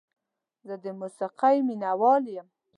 زه د موسیقۍ مینه وال یم.